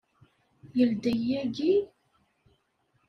Yeldey yagi?